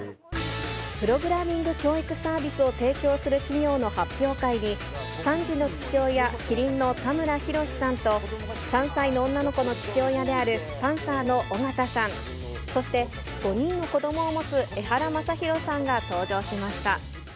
プログラミング教育サービスを提供する企業の発表会に、３児の父親、麒麟の田村裕さんと、３歳の女の子の父親であるパンサーの尾形さん、そして、５人の子どもを持つエハラマサヒロさんが登場しました。